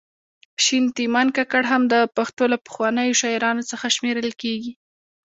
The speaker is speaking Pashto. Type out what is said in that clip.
شیخ تیمن کاکړ هم د پښتو له پخوانیو شاعرانو څخه شمېرل کیږي